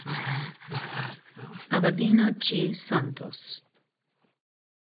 Avelino G. Santos.